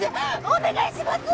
お願いします